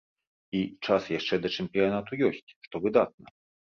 І час яшчэ да чэмпіянату ёсць, што выдатна.